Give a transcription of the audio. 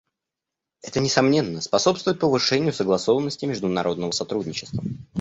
Это, несомненно, способствует повышению согласованности международного сотрудничества.